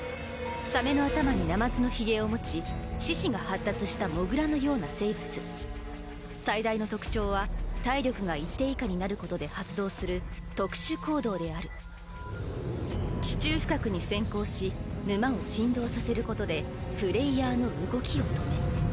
サメの頭にナマズのひげを持ち四肢が発達したモグラのような生物最大の特徴は体力が一定以下になることで発動する特殊行動である地中深くに潜行し沼を震動させることでプレイヤーの動きを止め